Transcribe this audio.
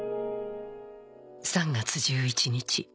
「３月１１日